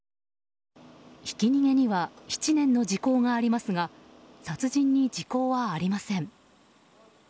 ひき逃げには７年の時効がありますが殺人に時効はありません。